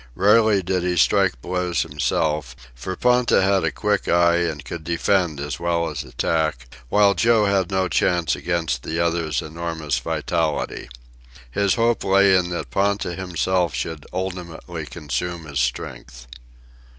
Rarely did he strike blows himself, for Ponta had a quick eye and could defend as well as attack, while Joe had no chance against the other's enormous vitality. His hope lay in that Ponta himself should ultimately consume his strength.